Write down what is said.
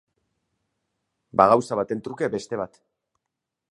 Ba gauza baten truke beste bat.